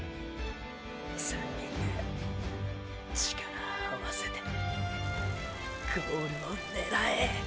３人で力合わせてゴールを狙え！！